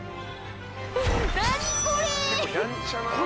何これ！